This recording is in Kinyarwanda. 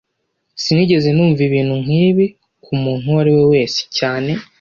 Sinigeze numva ibintu nk'ibi ku muntu uwo ari we wese cyane